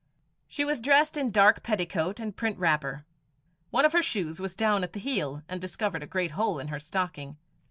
She was dressed in dark petticoat and print wrapper. One of her shoes was down at the heel, and discovered a great hole in her stocking.